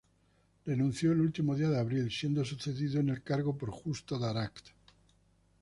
Renunció el último día de abril, siendo sucedido en el cargo por Justo Daract.